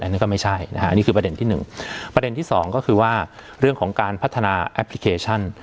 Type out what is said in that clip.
อันนี้ก็ไม่ใช่นะฮะนี่คือประเด็นที่หนึ่งประเด็นที่สองก็คือว่าเรื่องของการพัฒนาแอปพลิเคชัน